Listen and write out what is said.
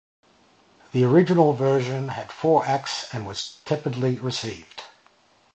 The original version had four acts and was tepidly received.